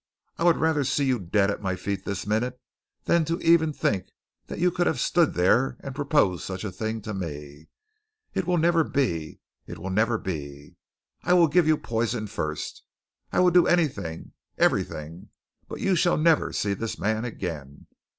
I would rather see you dead at my feet this minute than to even think that you could have stood there and proposed such a thing to me. It will never be! It will never be! I will give you poison first. I will do anything, everything, but you shall never see this man again.